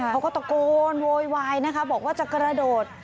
เขาก็ตะโกนโวยวายนะคะบอกว่าจะกระโดด